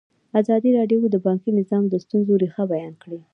ازادي راډیو د بانکي نظام د ستونزو رېښه بیان کړې.